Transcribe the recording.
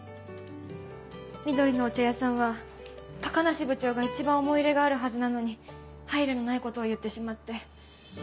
「緑のお茶屋さん」は高梨部長が一番思い入れがあるはずなのに配慮のないことを言ってしまって。